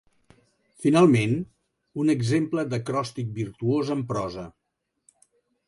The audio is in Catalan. Finalment, un exemple d'acròstic virtuós en prosa.